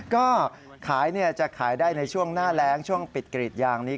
ก็ขายจะขายได้ในช่วงหน้าแรงช่วงปิดกรีดยางนี้